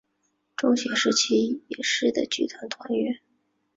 中学时期也是的剧团团员。